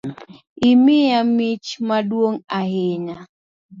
Imiya mich maduong’ ahinya